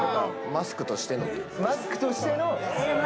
マスクとしての。